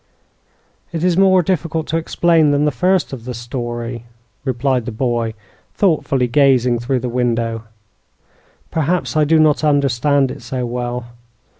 "It is more difficult to explain than the first of the story," replied the boy, thoughtfully gazing through the window; "perhaps because I do not understand it so well.